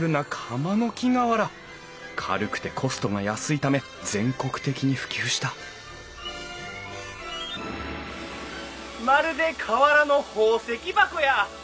軽くてコストが安いため全国的に普及したまるで瓦の宝石箱やあ！